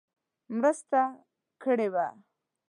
مرسته کړې وه.